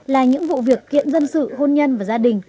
là những vụ việc kiện dân sự hôn nhân và gia đình